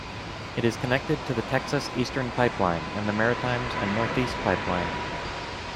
It is connected to the Texas Eastern Pipeline and the Maritimes and Northeast Pipeline.